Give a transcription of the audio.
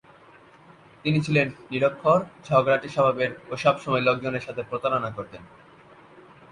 তিনি ছিলেন নিরক্ষর, ঝগড়াটে স্বভাবের ও সবসময় লোকজনের সাথে প্রতারনা করতেন।